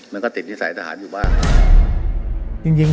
มันก็ติดนิสัยทหารอยู่บ้าง